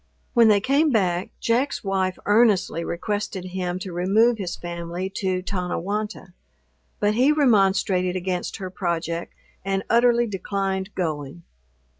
When they came back, Jack's wife earnestly requested him to remove his family to Tonnewonta; but he remonstrated against her project, and utterly declined going.